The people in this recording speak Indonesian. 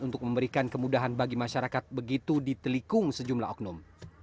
untuk memberikan kemudahan bagi masyarakat begitu ditelikung sejumlah oknum